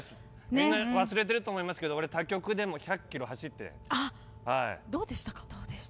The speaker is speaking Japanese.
みんな忘れてると思いますけど他局で１００ｋｍ俺、走ってる。